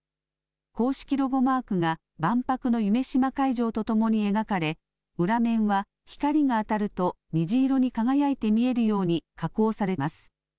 公式ロゴマークが万博の夢洲会場とともに描かれ裏面は光が当たると虹色に輝いて見えるように加工されます。